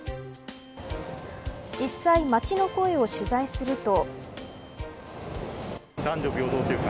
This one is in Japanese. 実際、街の声を取材すると。